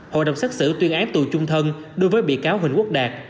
hội đồng xác xử tuyên án tù chung thân đối với bị cáo huỳnh quốc đạt